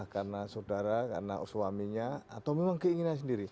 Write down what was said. karena saudara karena suaminya atau memang keinginan sendiri